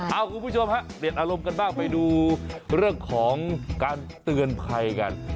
เอาคุณผู้ชมฮะเปลี่ยนอารมณ์กันบ้างไปดูเรื่องของการเตือนภัยกัน